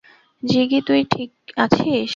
জিগি তুই ঠিক আছিস?